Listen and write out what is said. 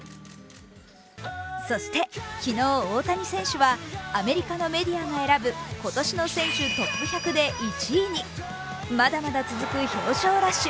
そして昨日、大谷選手はアメリカのメディアが選ぶ今年の選手トップ１００で１位に。まだまだ続く表彰ラッシュ。